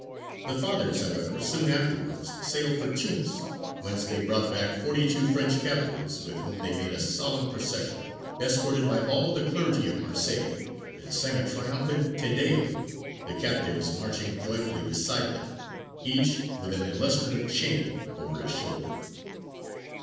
The fathers, however, soon afterwards sailed for Tunis, whence they brought back forty two French captives, with whom they made a solemn procession, escorted by all the clergy of Marseilles, and sang a triumphant Te Deum, the captives marching joyfully beside them, each with an illustrative chain over his shoulder.